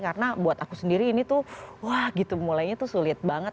karena buat aku sendiri ini tuh wah gitu mulainya tuh sulit banget